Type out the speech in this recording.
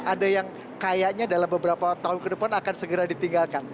ada yang kayaknya dalam beberapa tahun ke depan akan segera ditinggalkan